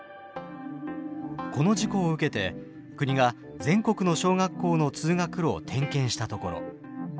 この事故を受けて国が全国の小学校の通学路を点検したところ。